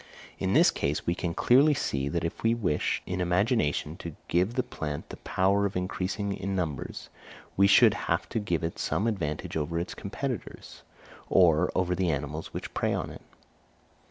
In this case we can clearly see that if we wish in imagination to give the plant the power of increasing in numbers, we should have to give it some advantage over its competitors, or over the animals which prey on it.